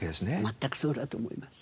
全くそうだと思います。